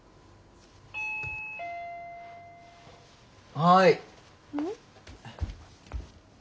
はい。